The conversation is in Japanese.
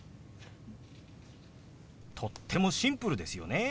とってもシンプルですよね。